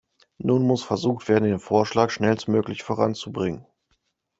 Nun muss versucht werden, den Vorschlag schnellstmöglich voranzubringen.